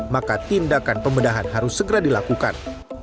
maka tindakan pembedahan harus segera dilakukan